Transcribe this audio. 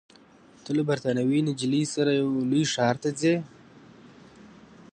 ته له بریتانوۍ نجلۍ سره یو لوی ښار ته ځې.